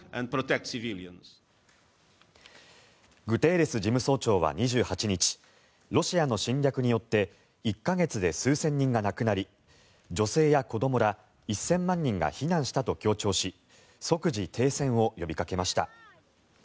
グテーレス事務総長は２８日ロシアの侵略によって１か月で数千人が亡くなり女性や子どもら１０００万人が避難したと強調し即時停戦を呼びかけました。